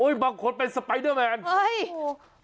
โอ้ยบางคนเป็นสไปเดอร์แมน